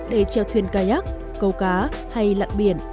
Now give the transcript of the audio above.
để treo thuyền kayak câu cá hay lặn biển